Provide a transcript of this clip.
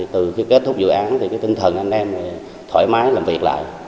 từ khi kết thúc dự án thì cái tinh thần anh em thoải mái làm việc lại